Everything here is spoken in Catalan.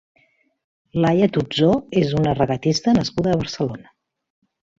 Laia Tutzó és una regatista nascuda a Barcelona.